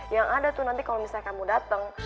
yang ada tuh nanti kalo misalnya kamu dateng